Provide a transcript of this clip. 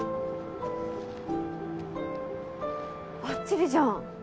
ばっちりじゃん！